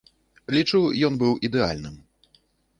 Лічу, ён быў ідэальным.